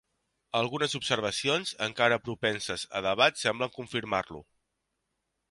Algunes observacions encara propenses a debats semblen confirmar-lo.